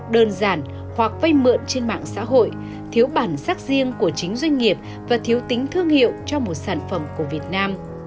đơn giản hoặc vây mượn trên mạng xã hội thiếu bản sắc riêng của chính doanh nghiệp và thiếu tính thương hiệu cho một sản phẩm của việt nam